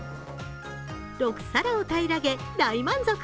６皿を平らげ大満足。